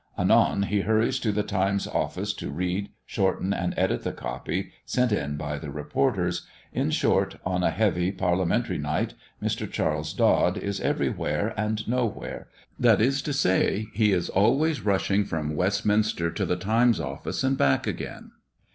Anon he hurries to the Times' office to read, shorten, and edit the copy sent in by the reporters, in short, on a heavy Parliamentary night, Mr. Charles Dod is everywhere and nowhere, that is to say, he is always rushing from Westminster to the Times' office and back again.